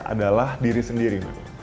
adalah diri sendiri mbak